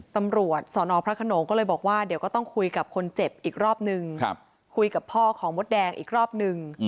ตำรวจสอนอพระขนงก็เลยบอกว่าเดี๋ยวก็ต้องคุยกับคนเจ็บอีกรอบนึงคุยกับพ่อของมดแดงอีกรอบนึง